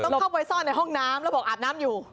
ต้องเข้าไปซ่อนในห้องน้ำแล้วบอกอาบน้ำอยู่